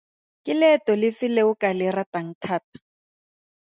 Ke leeto lefe le o ka le ratang thata?